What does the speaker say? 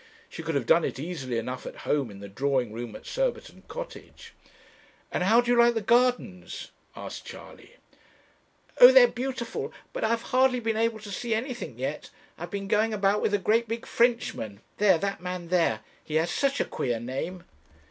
She could have done it easily enough at home in the drawing room at Surbiton Cottage. 'And how do you like the gardens?' asked Charley. 'Oh! they are beautiful; but I have hardly been able to see anything yet. I have been going about with a great big Frenchman there, that man there he has such a queer name.'